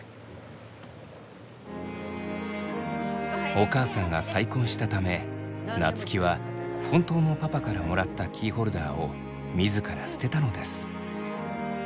お母さんが再婚したため夏樹は本当のパパからもらったキーホルダーを自ら捨てたのです。